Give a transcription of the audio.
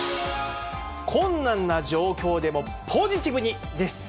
困難な状況でもポジティブに！です。